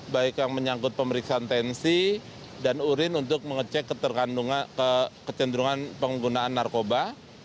baik yang menyangkut pemeriksaan tensi dan urin untuk mengecek kecenderungan penggunaan narkoba